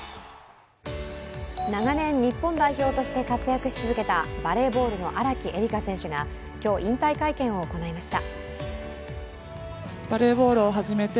長年、日本代表として活躍し続けたバレーボールの荒木絵里香選手が今日引退会見を行いました。